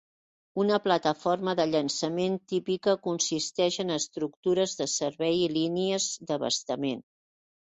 Una plataforma de llançament típica consisteix en estructures de servei i línies d'abastament.